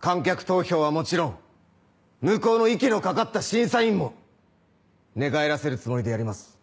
観客投票はもちろん向こうの息のかかった審査員も寝返らせるつもりでやります。